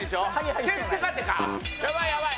やばいやばい。